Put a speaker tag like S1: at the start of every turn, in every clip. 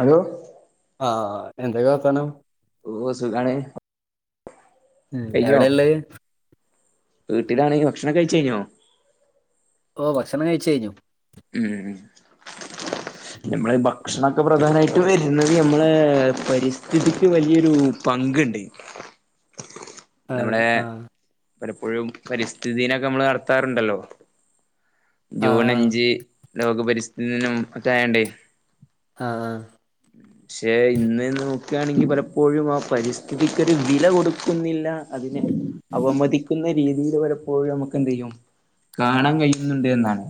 S1: Hello
S2: ആഹ് എന്തൊക്കെ വർത്താനം
S1: ഓഹ് സുഖാണ്
S2: ഉം എവിടേള്ളെത്
S1: വീട്ടിലാണെങ്കി ഭക്ഷണം കഴിച്ചയ്ഞ്ഞോ
S2: ഓഹ് ഭക്ഷണം കയ്ച്ചയ്ഞ്ഞു
S1: ഊം ഞമ്മെള് ഭക്ഷണാെക്കെ പ്രധാനായ് ട്ട് വെര്ന്നെത് ഞമ്മെളേ പരിസ്ഥിതിക്ക് വലിയൊരൂ പങ്ക്ണ്ട്
S2: അതെ
S1: നമ്മെടേ
S2: ആഹ്
S1: പലപ്പോഴും പരിസ്ഥിതി ദിനൊക്കെ നമ്മള് നടത്താറ്ണ്ടല്ലോ
S2: ആഹ്
S1: ജൂൺ
S2: ആഹ്
S1: അഞ്ച് ലോക പരിസ്ഥിതി ദിനം ഒക്കെ ആയാണ്ടേ
S2: ആഹ് ആഹ്
S1: ഉം പക്ഷെ ഇന്ന് നോക്കാണെങ്കി പലപ്പോഴും ആ പരിസ്ഥിതിക്കൊര് വില കൊട്ക്കുന്നില്ലാ അതിനെ അവമതിക്കുന്നെ രീതിയിൽ പലപ്പോഴും നമുക്ക് എന്ത് ചെയ്യും കാണാൻ കഴിയുന്നുണ്ട് എന്നാണ്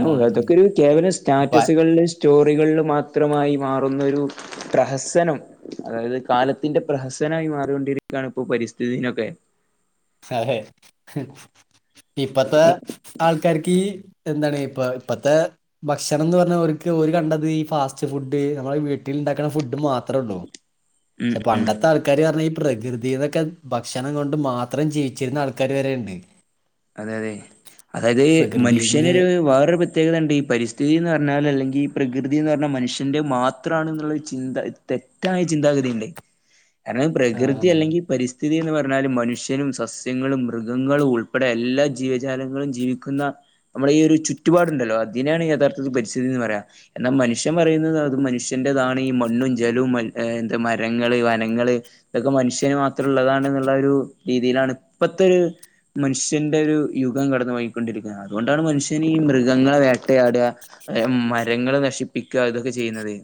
S2: ആഹ്
S1: അതൊക്കെ
S2: ആഹ്
S1: ഒരു കേവലം
S2: പ
S1: സ്റ്റാറ്റസുകളിൽ സ്റ്റോറികളിലും മാത്രമായി മാറുന്നൊരു പ്രഹസനം അതായത് കാലത്തിന്റെ പ്രഹസനായി മാറൊണ്ടിരിക്കുകയാണ് ഇപ്പോ പരിസ്ഥിതി ദിനൊക്കെ
S2: അതെ ഇപ്പത്തെ
S1: നി-
S2: ആൾക്കാർക്ക് എന്താണ് ഇപ്പ ഇപ്പത്തെ ഭക്ഷണം എന്ന് പറഞ്ഞാ അവര്ക്ക് ഓര് കണ്ടത് ഈ ഫാസ്റ്റ് ഫുഡ് നമ്മള വീട്ടിൽ ഉണ്ടാക്കണ ഫുഡ് മാത്ര ഉള്ളൂ
S1: ഉം
S2: പക്ഷെ
S1: ഉം
S2: പണ്ടത്തെ ആൾക്കാര് പറഞ്ഞാ ഈ പ്രകൃതിന്നൊക്കെ ഭക്ഷണം കൊണ്ട് മാത് ത്രം ജീവിച്ചിരുന്ന ആൾക്കാര് വരെയുണ്ട്
S1: അതെ അതെ അതായത് മനുഷ്യന്
S2: പ്രകൃതിന്ന്
S1: ഒരു വേറൊരു പ്ര ത്യേകതയുണ്ട് ഈ പരിസ്ഥിതിന്ന് പറഞ്ഞാൽ അല്ലെങ്കിൽ ഈ പ്രകൃതി എന്ന് പറഞ്ഞാൽ മനുഷ്യന്റെ മാത്രമാണെന്നുള്ളൊരു ചിന്ത തെറ്റായ ചിന്താഗതിയുണ്ട് കാരണം പ്രകൃതി
S2: ആഹ്
S1: അല്ലെങ്കി പരിസ്ഥിതിന്ന് പറഞ്ഞാല് മനുഷ്യനും സസ്യങ്ങളും മൃഗങ്ങളും ഉൾ പ്പെടെ എല്ലാ ജീവജാലങ്ങളും ജീവിക്കുന്ന നമ്മളെ ഈ ഒരു ചുറ്റു പാടുണ്ടല്ലോ അതിനാണ് യഥാത്ഥ പരിസ്ഥിതി എന്ന് പറയാ എന്നാ മനുഷ്യൻ പറയുന്നത് അത് മനുഷ്യന്റതാണ് ഈ മണ്ണും ജലവും എന്ത്‌ മരങ്ങള് വനങ്ങള് ഇതൊക്കെ മനുഷ്യന് മാത്രം ഉള്ളതാണ്ന്നുള്ള ഒരു രീതിയിലാണ് ഇപ്പത്തെ ഒരു മനുഷ്യന്റെരു യുഗം കടന്നു പോയിക്കൊണ്ടിരിക്കുന്നത് അതുകൊണ്ടാണ് മനുഷ്യനീ മൃഗങ്ങളെ വേട്ടയാടുക മരങ്ങള് നശിപ്പിക്കുക ഇതൊക്കെ ചെയ്യുന്നത്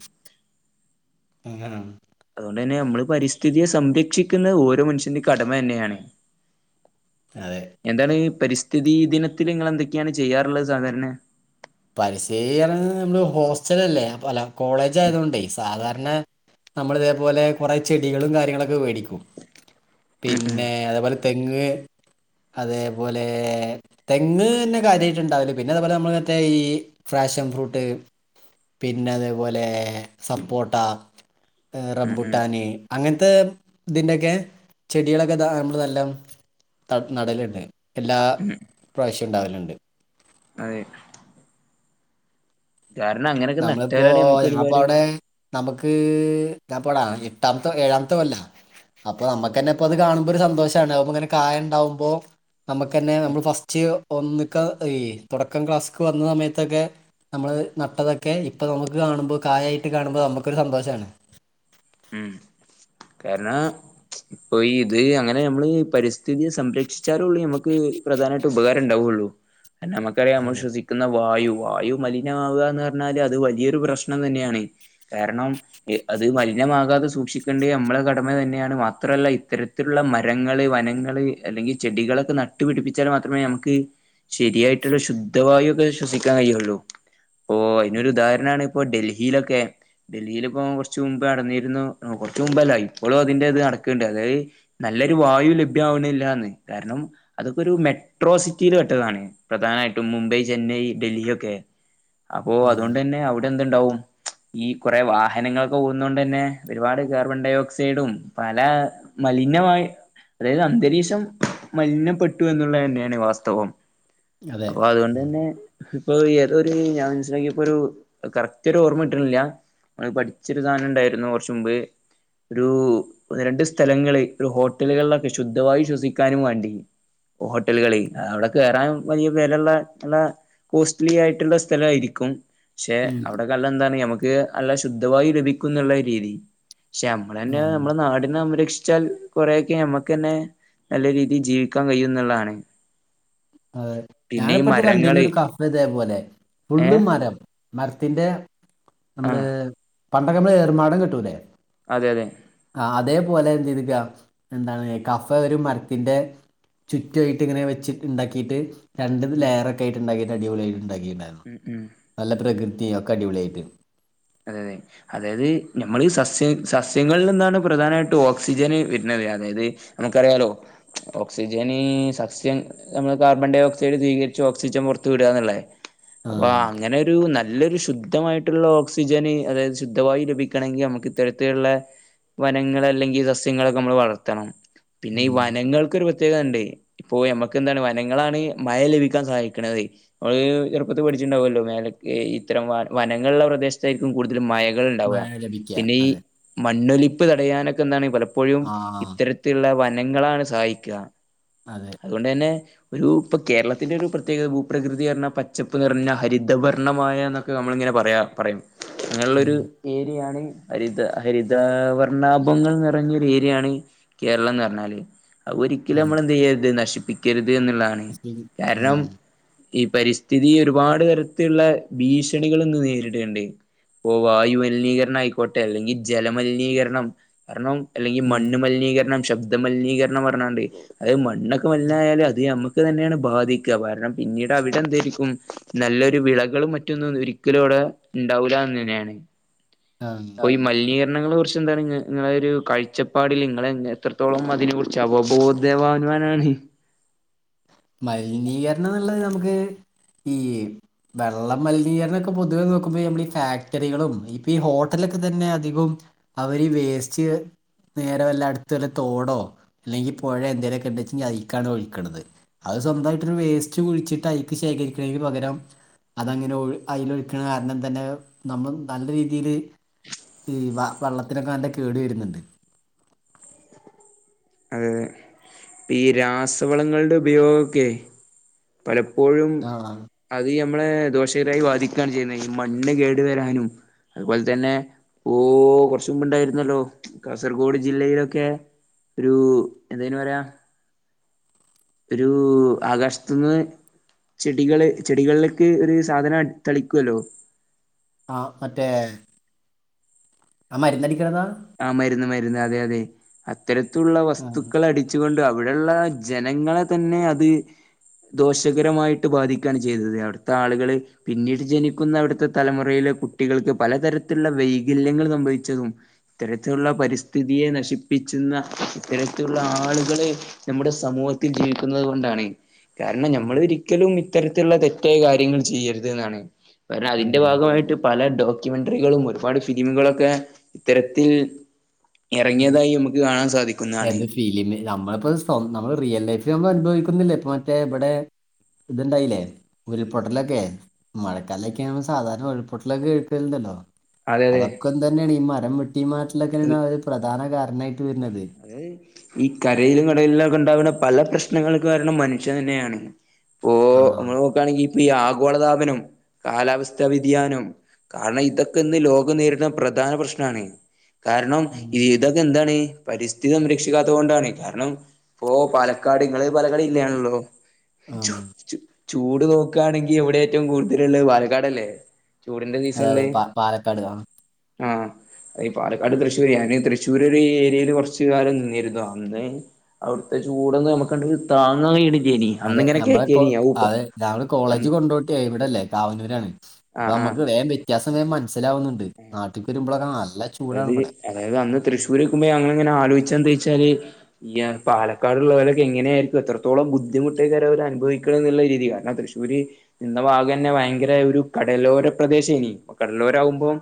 S2: അങ്ങനാണ്
S1: അതുകൊണ്ട് തന്നെ നമ്മള് പരിസ്ഥിതിയെ സംരക്ഷിക്കുന്നത് ഓരോ മനുഷ്യന്റെയും കടമ തന്നെയാണ്
S2: അതെ
S1: എന്താണ് പരിസ്ഥിതി ദിനത്തിൽ നിങ്ങൾ എന്തൊക്കെയാണ് ചെയ്യാറുള്ളത് സാധാരണ
S2: പരിസ്ഥിതി നമ്മള് ഹോസ്റ്റലല്ലേ അല്ല കോളേജ് ആയതുകൊണ്ടേ സാധാരണ നമ്മള് ഇതേപോലെ കോറെ ചെടികളും കാര്യങ്ങളൊക്കെ വേടിക്കും പിന്നെ അതേപോലെ തെങ്ങ് അതേപോലെ തെങ്ങ് തന്നെ കാര്യയിട്ട് ണ്ടാവല് പിന്നെ അതേപോലെ നമ്മള് ക്കെ ഈ ഫ്രഷൻ ഫ്രൂട്ട് പിന്നെ അതേപോലെ സപ്പോട്ട
S1: ഉം ഉം
S2: റമ്പുട്ടാന് അങ്ങനത്തെ ഇതിന്റെക്കെ ചെടികളൊക്കെ ത നമ്മൾ നല്ലാം നടല്ണ്ട് എല്ലാ
S1: ഉം
S2: പ്രാവശ്യം ഇണ്ടാവലുണ്ട്
S1: അതെ കാരണം അങ്ങനെ
S2: നമ്മളിപ്പോ ഞാനിപ്പ അവിടെ നമക്ക് ഞാനിപ്പളാ എട്ടാമത്തെ ഏഴാമത്ത കൊല്ല അപ്പൊ നമ്മക്ക് ന്നെ ഇപ്പ അത് കാണുമ്പോ ഒരു സന്തോഷാണ് അത് ഇപ്പ ഇങ്ങനെ കായ ഇണ്ടാകുമ്പൊ നമക്കന്നെ നമ്മൾ ഫസ്റ്റ് ഒന്നിക്ക [unintelligible] തുടക്കം ക്ലാസ് വന്ന സമയത്തൊക്കെ നമ്മള് നട്ടതൊക്കെ ഇപ്പൊ നമക്ക് കാണുമ്പോ കായായിട്ട് കാണുമ്പോ നമുക്കൊരു സന്തോഷാണ്
S1: ഉം കാരണം ഇപ്പൊ ഈ ഇത് അങ്ങനെ നമ്മള് പരിസ്ഥിതിയെ സംരക്ഷിച്ചാലേ ഉള്ളൂ നമക്ക് പ്രധാനയിട്ട് ഉപകാരം ഉണ്ടാവുള്ളു അയിന് നമ്മക്ക് അറിയ നമ്മള്
S2: അതെ
S1: ശ്വസി ക്കുന്ന വായു വായു മലിനാവുക എന്ന് പറഞ്ഞാല് അത് വലിയൊരു പ്രശ്നം തന്നെയാണ് കാരണം അത് മലിനമാകാതെ സൂക്ഷിക്കണ്ടേ നമ്മളെ കടമ തന്നെയാണ് മാത്രല്ല ഇത്തരത്തിലുള്ള മരങ്ങള് വനങ്ങള് അല്ലെങ്കി ചെടികളൊക്കെ നട് ട്ടുപിടിപ്പിച്ചാൽ മാത്രമേ നമക്ക് ശരിയായിട്ടുള്ള ശുദ്ധവായു ഒക്കെ ശ്വസിക്കാൻ കഴിയുള്ളൂ ഓഹ് അയ്നൊരുദാഹരണാണ് ഇപ്പൊ ഡൽഹിയിലൊക്കെ ഡൽഹിയില്പ്പം കൊർച്ച് മുമ്പ് നടന്നിരുന്നു കൊർച്ച മുമ്പല്ല ഇപ്പളും അതിന്റെ ത് നട്ക്ക്ണ്ട് അതായത് നല്ലൊരു വായു ലഭ്യാവ്ണില്ലാന്ന് കാരണം അതൊക്കെ ഒരു മെട്രോസിറ്റില് പെട്ടതാണ് പ്രധാനായിട്ടും മുംബൈ ചെന്നൈ ഡൽഹി ഒക്കെ അപ്പൊ
S2: ആഹ്
S1: അതുകൊണ്ടന്നെ അവിടെ എന്തുണ്ടാവും ഈ കൊറേ വാഹനങ്ങളൊക്കെ പോകുന്നോണ്ടന്നെ ഒരുപാട് കേർബണ്ടോയോക് ക്സൈഡും പല മലിനമായി അതായത് അന്തരീക്ഷം മലിനപ്പെട്ടു എന്നുള്ളത് തന്നെയാണ് വാസ്തവം
S2: അതെ
S1: അപ്പൊ അതുകൊണ്ടന്നെ ഇപ്പൊ ഏതോര് ഞാൻ മനസ്സിലാക്കിയപ്പൊരു കറക്റ്റ് ഒരു ഓർമ്മ കിട്ട്ണില്ല നമ്മ പഠിച്ചൊരു സാധനം ഇ ണ്ടായിരുന്നു കൊർച്ച് മുമ്പ് ഒരു ഒന്ന് രണ്ട് സ്ഥലങ്ങള് ഒരു ഹോട്ടലുകളിലൊക്കെ ശുദ്ധവായു ശ്വസിക്കാനും വേണ്ടി ഹോട്ടലുകളി അവടെ കേറാൻ വലിയ വെലള്ള എല്ല കോസ്റ്റ്ലി ആയിട്ട്ള്ള സ്ഥലവായിരിക്കും പക്ഷെ
S2: ഉം
S1: അവിടെക്കെല്ലാം എന്താണ് നമക്ക് അല്ല ശുദ്ധവായു ലഭിക്കും ന്നുള്ള രീതി ക്ഷേ നമ്മള തന്നെ
S2: ആഹ്
S1: നമ്മുടെ നാടിനെ സംരക്ഷിച്ചാൽ കൊറേയൊക്കെ ഞമ്മക്കന്നെ നല്ല രീതിയിൽ ജീവിക്കാൻ കഴിയുംന്ന്ള്ളതാണ്
S2: അതെ ഞാന്പ്പട്ത്
S1: മരങ്ങള്
S2: കണ്ടിന്നൊരു കഫെ ഇതേ പോലെഫുള്ള്
S1: ഏഹ്
S2: മരം മരത്തിന്റെ നമ്മള്
S1: ആഹ്
S2: പണ്ടക്കമ്മള് ഏർമാടം കെട്ടൂലേ
S1: അതെ യതെ
S2: ആ അതേപോലെ എന്ത് ചെയ്തിക്ക എന്താണ് കഫെ ഒരു മരത്തിന്റെ ചുറ്റുഅയ്ട്ട്ങ്ങനെ വെച്ച് ണ്ടാക്കിട്ട് രണ്ട്
S1: ഉം
S2: ണലെയറൊക്കാക്കിറ്റ് ണ്ടാക്കിട്ട് അടിപൊളി ആയിട്ട്ണ്ടാക്കി ഇണ്ടായിരുന്നു
S1: ഉം ഉം
S2: നല്ല പ്രകൃതി ഒക്കടിപൊളിയായിട്ട്
S1: അതെ അതെ അതായത് നമ്മളീ സസ്യ സസ്യങ്ങളിൽ നിന്നാണ് പ്രധാനമായിട്ട് ഓക്സിജന് വര്ന്നത് അതായത് നമുക്കറിയാലോ ഓക്സിജനി സസ്യം നമ്മളെ കാർബൺ ഡയോക്സൈഡ് സ്വീകരിച്ച് ഓക്സിജൻ പുറത്തു വിടാന്ന്ള്ളെ
S2: ആ
S1: അപ്പൊ അങ്ങനെരു നല്ലൊരു ശുദ്ധമായിട്ടുള്ള ഓക് സിജന് അതായത് ശുദ്ധവായു ലഭിക്കണമെങ്കി നമുക്ക് ഇത്തരത്തിലുള്ള വനങ്ങൾ അല്ലെങ്കിൽ സസ്യങ്ങളൊക്കമ്മള് വളർത്തണം പിന്നെ ഈ
S2: ഉം.
S1: വനങ്ങൾക്ക് രു പ്രത്യേകതണ്ട് ഇപ്പോ ഞമ്മക്കെന്താണ് വനങ്ങളാണ് മഴ ലഭിക്കാൻ സഹായിക്കണത് അഹ് ചെറുപ്പത്ത് പഠിച്ചിുണ്ടാവുമല്ലോ മേലക് ഇത്തരം വ വനങ്ങൾള്ള പ്രദേശ ത്തായിരിക്കും കൂടുതലും മയകള്ണ്ടാവുക.
S2: മഴ ലഭിക്കുക
S1: പിന്നെ ഈ
S2: അതെ
S1: മണ്ണൊലിപ്പ് തടയാനൊക്കെന്താണ് പല പ്പോഴും
S2: ആ
S1: ഇത്തരത്തിലുള്ള വനങ്ങളാണ് സഹായിക്കാ
S2: അതെ
S1: അതുകൊണ്ട് തന്നെ ഒരു പ്പൊ കേരളത്തിന്റെ ഒരു പ്രത്യേകത ഭൂപ്രകൃതിർഞ്ഞ പച്ചപ്പ് നിറഞ്ഞ ഹരിതവർണമായ നമ്മളിങ്ങനെ പറയാ പറയും അങ്ങനെള്ളൊരു
S2: ഉം.
S1: ഏരിയാണ് ഹരിത ഹരിത വർണ്ണാഭങ്ങൾ നിറഞ്ഞൊരു ഏരിയാണ് കേരളം ന്ന് പർഞ്ഞാല് അഹ് ഒരിക്കലും
S2: അതെ
S1: നമ്മളെന്തെയ്യര്ത് നശിപ്പിക്കര്ത് എന്നുള്ളതാണ് കാരണം
S2: ഉം.
S1: ഈ പരിസ്ഥിതി ഒരുപാട് തരത്തിലുള്ള ഭീഷണികൾ ഇന്ന് നേരിട്ണ്ട് ഓ വായുമലിനീകരണായിക്കോട്ടെ അല്ലെങ്കി ജലമലിനീകരണം കാരണം അല്ലെങ്കിൽ
S2: ഉം.
S1: മണ്ണ് മലിനീകരണം ശബ്ദ മലിനീകരണം പർഞ്ഞാണ്ട് അത് മണ്ണൊക്കെ മലിനായാലും അത് നമ്മക്ക് തന്നെയാണ് ബാധിക്കുക കാരണം പിന്നീട് അവിടെ എന്തായിരിക്കും നല്ലൊരു വിളകളും മറ്റൊന്നും ഒരിക്കലും അവിടെ ഉണ്ടാവൂല എന്ന് തന്നെയാണ്
S2: ആഹ്
S1: അപ്പ മലിനീകരണങ്ങളെ കുറിച്ച് എന്താണ് നിങ്ങളെ ഒരു കാഴ്ചപ്പാടിൽ നിങ്ങളെ എത്രത്തോളം അതിനെരു [unintelligible]
S2: മലിനീകരണം എന്നുള്ളത് നമുക്ക് ഈ വെള്ള മലിനീകരണം ഒക്കെ പൊതുവെ നോക്കുമ്പോ നമ്മൾ ഈ ഫാക്ടറികളും ഈ ഹോട്ടലൊക്കെ തന്നെ അധികം അവര് ഈ വേസ്റ്റ് നേരെ വല്ല അടുത്ത വല്ല തോടോ അല്ലെങ്കിൽ പുഴ എന്തേങ്കലുക്കെ ഇണ്ടെങ്കിൽ അതിക്കാണ് ഒഴിക്കണത് അത് സ്വന്തമായിട്ടൊരു വേസ്റ്റ് കുഴിച്ചിട്ട് ഐക്ക് ശേഖരിക്ക്‌ണതിന് പകരം അതങ്ങനെ ഒഴു അതിൽ ഒഴിക്കണ കാരണം തന്നെ നമ്മ നല്ല രീതിൽ ഈ വ വെള്ളത്തിനൊക്കെ നല്ല കേട് വരുന്നുണ്ട്
S1: അതെതെ ഇപ്പ ഈ രാസവളങ്ങളുടെ ഉപയോഗക്കെ പലപ്പോഴും
S2: ആ
S1: അത് നമ്മളെ ദോഷകരായി വാദിക്കുകയാണ് ചെയ്യുന്നത് ഈ മണ്ണ് കേടു വരാനും അതുപോലെ തന്നെ ഓ കുറച്ചു മുമ്പ് ഉണ്ടായിരുന്നല്ലോ കാസർഗോഡ് ജില്ലയിലൊക്കെ ഒരു എന്തേയ്ന് പറയാ ഒരു ആകാശത്തിന്ന് ചെടികള് ചെടികളിലേക്ക് ഒരു സാധനം തളിക്കുവല്ലോ
S2: ആഹ് മറ്റേ ആഹ് മരുന്നടിക്കണ്താ
S1: ആഹ് മരുന്ന് മരുന്ന് അതെ അതെ അത്തരത്തുള്ള
S2: ആ
S1: വസ്തുക്കൾ അടി ച്ച് കൊണ്ട് അവിടെള്ള ജനങ്ങളെ തന്നെ അത് ദോഷകരമായിട്ട് ബാധിക്കാണ് ചെയ്തത് അവിടുത്തെ ആളുകള്. പിന്നീട് ജനിക്കുന്ന അവിടുത്തെ തലമുറയിലെ കുട്ടികൾക്ക് പലതരത്തിലുള്ള വൈകല്യങ്ങൾ സംഭവിച്ചതും. ഇത്തരത്തിലുള്ള പരിസ്ഥിതിയെ നശിപ്പിച്ചുന്ന ഇത്തരത്തിലുള്ള ആളുകളെ. നമ്മുടെ സമൂഹത്തിൽ ജീവിക്കുന്നത് കൊണ്ടാണ്. കാരണം
S2: ഉം.
S1: ഞമ്മൾ ഒരിക്കലും ഇത്തരത്തിലുള്ള തെറ്റായ കാര്യങ്ങൾ ചെയ്യരുത് ന്നാണ്. കാരണം അതിന്റെ
S2: ശരി.
S1: ഭാഗമായിട്ട് പല ഡോക്യുമെന്ററികളും ഒരുപാട് ഫിലിമുകളൊക്കെ. ഇത്തരത്തിൽ ഇറങ്ങിയതായി നമുക്ക് കാണാൻ സാധിക്കുന്നതാണ്.
S2: ഫിലിമി നമ്മളിപ്പ നമ്മൾ റിയൽ ലൈഫിൽ നമ്മൾ അനുഭവിക്കുന്നില്ല ഇപ്പൊ മറ്റേ ഇവിടെ. ഇത്ണ്ടായില്ലേ ഉരുൾപൊട്ടലൊക്കെ. മഴക്കാലൊക്കെ ആകുമ്പോ സാധാരണ ഉരുൾപൊട്ടലൊക്കെ കേൾക്കലുണ്ടല്ലോ.
S1: അതെ അതെ
S2: അതൊക്കെന്തെന്നേണ് ഈ മരം വെട്ടി
S1: അത്
S2: മാറ്റിലൊക്കെയാണ് ഒരു പ്രധാന കാരണമായിട്ട് വരുന്നത്.
S1: ഈ കരയിലും കടയിലിലും ഒക്കെ ഉണ്ടാവുന്ന പല പ്രശ്നങ്ങൾക്ക് കാരണം മനുഷ്യൻ തന്നെയാണ്.
S2: ആ
S1: ഓഹ് നമ്മൾ നോക്കയാണെങ്കിൽ ഇപ്പൊ ഈ ആഗോളതാപനം കാലാവസ്ഥ വ്യതിയാനം. കാരണം ഇതൊക്കെ ഇന്ന് ലോകം നേരിടുന്ന പ്രധാന പ്രശ്നാണ് കാരണം ഇതൊക്കെ എന്താണ്. പരിസ്ഥിതി സംരക്ഷിക്കാത്ത കൊണ്ടാണ് കാരണം ഇപ്പൊ പാലക്കാട് ഇങ്ങൾ പലക്കാട് ജില്ലാണല്ലോ. ചു
S2: ഉം.
S1: ചു ചൂട് നോക്കാണെങ്കി എവിടെ ഏറ്റവും കൂടുതലുള്ളത് പാലക്കാടല്ലേ. ചൂടിന്റെ
S2: അതെ അതെ
S1: സീസൺല്.
S2: പാ- പാലക്കാട് ആ
S1: ആഹ് ഈ പാലക്കാട് തൃശ്ശൂര് ഞാൻ തൃശൂര് ഒരു ഏരിയയില്. കുറച്ച്കാലം നിന്നിരുന്നു അന്ന് അവിടുത്തെ ചൂടന്ന് നമുക്കണ്ട് താങ്ങാൻ കഴിയണ്ല്ലേനി.
S2: അതെ നമ്മളിപ്പോ അതെ രാവിലെ കോളേജ്
S1: അന്ന്
S2: കൊണ്ടോട്ടി ഇവിടെല്ലേ കാവനൂരാണ്. അപ്പൊ
S1: ആഹ്
S2: നമ്മുക്ക്
S1: ആഹ്
S2: വേം വ്യത്യാസം വേം മനസ്സിലാവുന്നുണ്ട് നാട്ടിൽക്ക് വരുമ്പോളൊക്കെ നല്ല. ചൂടാണ്
S1: അതായത്
S2: ഇവിടെ
S1: അതായത് അന്ന് തൃശ്ശൂർ നിക്കുമ്പോ ഞങ്ങൾ ഇങ്ങനെ ആലോചിച്ചത് എന്തയ്‌ച്ചാല്. ഈ പാലക്കാട് ള്ളവരൊക്കെ എങ്ങനെയായിരിക്കും എത്രത്തോളം ബുദ്ധിമുട്ടേക്കാരം അവര് അനുഭവിക്കണം എന്നുള്ള രീതി കാരണം തൃശൂര് നിന്ന ഭാഗന്നെ ഭയങ്കര ഒരു കടലോര പ്രദേശേനി കടലോരാവുമ്പം.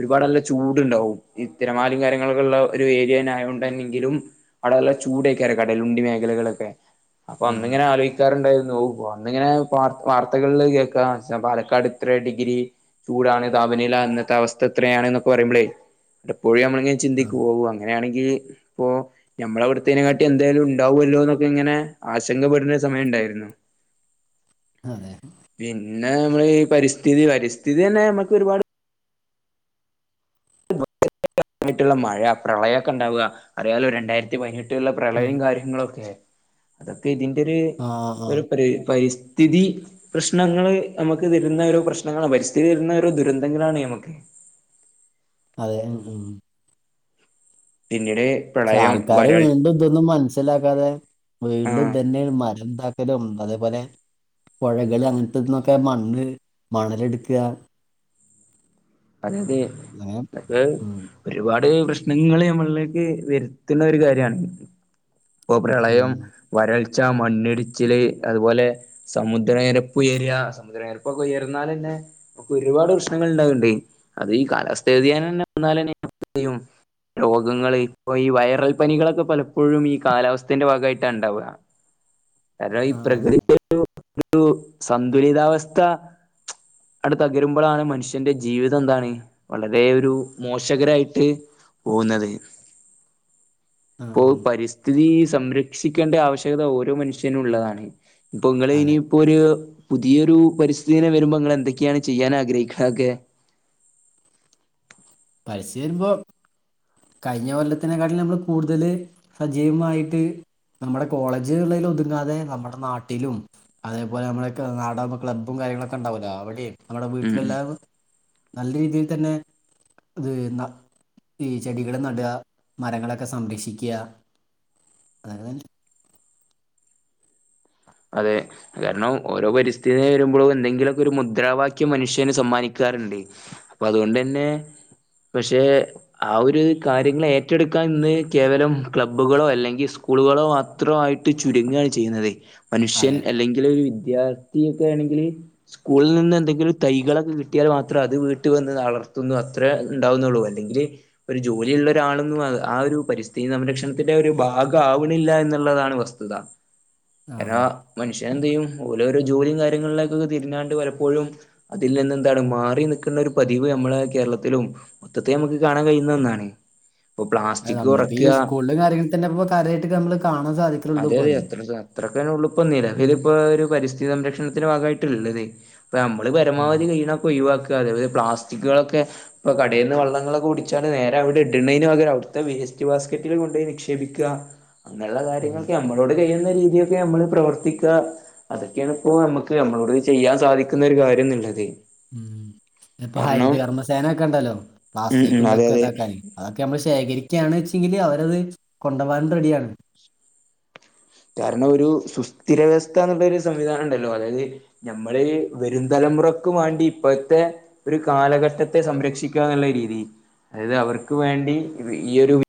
S1: ഒരുപാട് നല്ല ചൂട്ണ്ടാവും ഈ തിരമാലയും കാര്യങ്ങളൊക്കെ ഇള്ള ഒരു ഏരിയ ആയോണ്ടന്നെങ്കിലും. അവിടെ നല്ല ചൂടേക്കാരം കടലുണ്ടി മേഖലകളൊക്കെ അപ്പൊ
S2: ആ, ആ.
S1: അന്നിങ്ങനെ ആലോയി ക്കാറുണ്ടായിരുന്നു ഓഹ് അന്നിങ്ങനെ വാർ വാർത്തകളില് കേൾക്കാ പാലക്കാട് ഇത്ര ഡിഗ്രി. ചൂടാണ് താപനില അന്നത്തെ അവസ്ഥ ഇത്രയാണ് എന്നൊക്കെ പറയുമ്പളേ. പലപ്പോഴും നമ്മളിങ്ങനെ ചിന്തിക്കു ഓഹ് അങ്ങനെയാണെങ്കില് ഇപ്പോ ഞമ്മളെ എവട്ത്തേനെക്കാട്ടി എന്തായാലും ഇണ്ടാവുമല്ലോ എന്നൊക്കെ ഇങ്ങനെ ആശങ്കപ്പെടുന്ന ഒരു സമയം ഇണ്ടായിരുന്നു.
S2: അതെ.
S1: പിന്നെ നമ്മള് ഈ പരിസ്ഥിതി പരിസ്ഥിതി തന്നെ നമ്മക്ക് ഒരുപാട് [unintelligible] മഴ പ്രളയക്കെണ്ടാവാ. അറിയാലോ രണ്ടായിരത്തി പതിനെട്ടിലുള്ള
S2: ഉം.
S1: പ്രളയം കാര്യങ്ങളും ഒക്കെ. അതൊക്കെ ഇതിന്റെ ഒരു
S2: ആ ആ
S1: ഒരു പരി പരിസ്‌ത് സ്ഥിതി പ്രശ്നങ്ങള് നമുക്ക് തരുന്ന ഓരോ പ്രശ്നങ്ങളാണ് പരിസ്ഥിതി തരുന്ന ഓരോ ദുരന്തങ്ങളാണ് നമക്ക്.
S2: അതെ ഉം ഉം.
S1: പിന്നീട്.
S2: പക്ഷെ
S1: പ്രളയം
S2: ആൾക്കാര്
S1: വരൾ
S2: വീണ്ടും ഇതൊന്നും മനസ്സിലാക്കാതെ വീണ്ടും
S1: ആഹ്
S2: ഇതന്നേണ് മരം മുറിക്കലും അതേപോലെ പുഴകൾ അങ്ങനത്തെ ഇത് ന്നൊക്കെ മണ്ണ് മണലെടുക്കാ.
S1: അതായത്
S2: അങ്ങനെ
S1: ഇതൊക്കെ
S2: ഉം
S1: ഒരുപാട് പ്രശ്നങ്ങള് നമ്മളിലേക്ക് വരുത്തുന്ന ഒരു കാര്യാണ്. ഇപ്പൊ പ്രളയം,
S2: ഉം
S1: വരൾച്ച, മണ്ണിടിച്ചില്, അതുപോലെ. സമുദ്രനിരപ്പ് ഉയരാ സമുദ്രനിരപ്പൊക്കെ ഉയർന്നാലന്നെ നമുക്ക് ഒരുപാട് പ്രശ്നങ്ങൾ ഇണ്ടാവ്ണ്ട്. അത് ഈ കാലസ്ഥ വ്യതിയാനം തന്നെ വന്നാലെന്നെ നമ്മള് എന്തെയ്യും. രോഗങ്ങള് ഇപ്പൊ ഈ വൈറൽ പനികളൊക്കെ പലപ്പോഴും ഈ കാലാവസ്ഥന്റെ ഭാഗമായിട്ടാ ഇണ്ടാവ. കാരണം ഈ
S2: ആ
S1: പ്രകൃതി ഒരു സന്തുലിതാവസ്ഥ. ആണ്ട് തകരുമ്പളാണ് മനുഷ്യന്റെ ജീവിത തം എന്താണ് വളരെ ഒരു മോശകരായിട്ട് പോകുന്നത്.
S2: ആ
S1: അപ്പോ പരിസ്ഥിതി സംരക്ഷിക്കേണ്ട ആവശ്യകത ഓരോ മനുഷ്യനും ഉള്ളതാണ് ഇപ്പൊ ഇങ്ങള്
S2: അതെ
S1: എനിയും ഇപ്പൊരു പുതിയൊരു പരിസ്ഥിതി ദിനം വരുമ്പോ ഇങ്ങളെന്തൊക്കെയാണ് ചെയ്യാനാഗ്രഹിക്ക്ണെ ഒക്കെ?
S2: പരിസ്ഥിതി വരുമ്പോ കഴിഞ്ഞ കൊല്ലത്തിനേക്കാട്ടിലും നമ്മള് കൂടുതല് സജീവമായിട്ട് നമ്മളെ കോളേജുകളില് ഒതുങ്ങാതെ നമ്മുടെ നാട്ടിലും അതേപോലെ നമ്മളെ നാടവുമ്പോ ക്ലബ്ബും കാര്യങ്ങളൊക്കെ ഇണ്ടാവൊല്ലോ അവിടെം നമ്മടെ
S1: ഉം ഉം
S2: വീട്ടിലെല്ലാവരും നല്ല രീതിയിൽ തന്നെ ഇത് ഈ ചെടികൾ നട മരങ്ങളൊക്കെ സംരക്ഷിക്ക അതക്കെ ത്തന്നെ
S1: അതെ കാരണം ഓരോ പരിസ്ഥിതിദിനം വരുമ്പളും എന്തെങ്കിലൊക്കൊരു മുദ്രാവാക്യം മനുഷ്യന് സമ്മാനിക്കാറുണ്ട് അപ്പൊ അതുകൊണ്ടെന്നെ പക്ഷെ ആഹ് ഒരു കാര്യങ്ങള് ഏറ്റെടുക്കാൻ ഇന്ന് കേവലം ക്ലബ്ബുകളോ അല്ലെങ്കി സ് കൂളുകളോ മാത്രോ ആയിട്ട് ചുരുങ്ങാണ് ചെയ്യുന്നത് മനുഷ്യൻ
S2: അതെ
S1: അല്ലെങ്കിലൊരു വിദ്യാർ ത്ഥി ഒക്കെയാണെങ്കില് സ്കൂളിൽ നിന്ന് എന്തെങ്കിലും തൈകളൊക്കെ കിട്ടിയാല് മാത്രെ അത് വീട്ട് വന്ന് വളർത്തുന്നു അത്രെ ഇണ്ടാവുനന്നൊള്ളൂ അല്ലെങ്കില് ഒരു ജോലിയുള്ളരാളൊന്നും അ ആഹ് ഒരു പരിസ്ഥിതി സംരക്ഷണത്തിന്റെ ഒരു ഭാഗം ആവ്ണില്ല എന്നുള്ളതാണ് വസ്തുത എരാ
S2: ആഹ്
S1: മനുഷ്യനെന്തേയ്യും ഓലോരോ ജോലിയും കാര്യങ്ങളിലേക്കൊക്കെ തിരിഞ്ഞാണ്ട് പലപ്പോഴും അതിൽ നിന്ന് എന്താണ് മാറി നിക്കുന്ന ഒരു പതിവ് നമ്മള കേരളത്തിലും മൊത്തത്തി നമുക്ക് കാണാൻ കഴിയുന്ന ഒന്നാണ് ഇപ്പൊ പ്ലാസ്റ്റിക് കൊറക്ക
S2: പിന്നെപ്പൊ കര്യായിട്ട് നമ്മള് കാണാൻ സാധി
S1: അതെര് എത്ര സ അത്രൊക്കെന്നുള്ളുപ്പ നിലവിലിപ്പോ ഒരു പരിസ്ഥിതി സംരക്ഷണത്തിന്റെ ഭാഗമായിട്ട്ള്ളതെ പ്പ നമ്മള്
S2: ഉം
S1: പരമാവധി കഴിണൊക്കോഴിവാക്ക അതത് പ്ലാസ്റ്റിക്കുകളൊക്കെ ഇപ്പൊ കടെന്ന് വള്ളങ്ങളൊക്കെ കുടിച്ചാണ്ട് നേരെ അവിടെ ഇട്ണെയ്ന് പകരം അവുട്ത്തെ വേസ്റ്റ് ബാസ്കറ്റുകളിൽ കൊണ്ടെയി നിക്ഷേപിക്ക അങ്ങനെള്ള
S2: ഉം
S1: കാര്യങ്ങൾക്കെ നമ്മളോട് കെയ്യുന്ന രീതിയൊക്കെ നമ്മള് പ്രവർത്തിക്ക അതൊക്കെയാണ് ഇപ്പോ നമ്മക്ക് നമ്മളോട് ചെയ്യാൻ സാധിക്കുന്നെ ഒരു കാര്യംന്ന്ള്ളത്
S2: ഉം ഇപ്പൊ ഹരിത കർമ്മസേനൊക്കെ ഉണ്ടല്ലോ
S1: ഉം ഉം അതെ
S2: പ്ലാസ്റ്റികുംന്തൊക്കെ
S1: അതെ
S2: ഇതാക്കാന് അതൊക്കെ നമ്മൾ ശേഖരിക്കാണെച്ചെങ്കിൽ അവരത് കൊണ്ടവാൻ റെഡിയാണ്
S1: കാരണം ഒരു സുസ്ഥിരവ്യവസ്ഥ ന്നുള്ളോരു സംവിധാനണ്ടല്ലോ അതായത് ഞമ്മള് വരും തലമുറക്കുവാണ്ടി ഇപ്പത്തെ ഒരു കാലഘട്ടത്തെ സംരക്ഷിക്കാന്നുള്ള രീതി അതായത് അവർക്ക് വേണ്ടി ഈ ഒരു വി